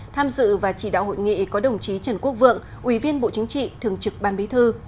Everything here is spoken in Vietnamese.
tham dự và chỉ đạo hội nghị có đồng chí trần quốc vượng ủy viên bộ chính trị thường trực ban bí thư